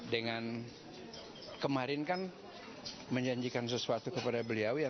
dengan kemarin kan menjanjikan sesuatu kepada beliau